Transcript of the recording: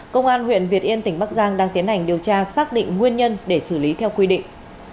công an huyện việt yên tỉnh bắc giang đang tiến hành điều tra xác định nguyên nhân để xử lý theo quy định